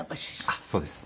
あっそうです。